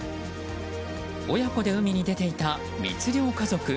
親子で海に出ていた密漁家族。